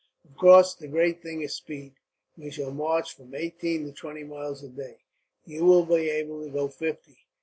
"Of course, the great thing is speed. We shall march from eighteen to twenty miles a day. You will be able to go fifty.